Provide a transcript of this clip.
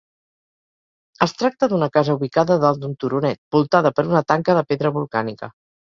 Es tracta d'una casa ubicada dalt d'un turonet, voltada per una tanca de pedra volcànica.